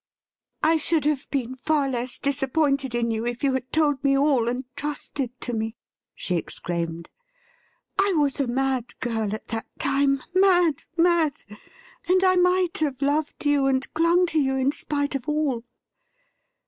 • I should have been far less disappointed in you if you had told me all and trusted to me,' she exclaimed. ' I was a mad girl at that time — mad, mad !— and I might have loved you and clung to you in spite of all.